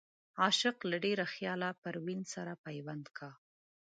عاشق له ډېره خياله پروين سره پيوند کا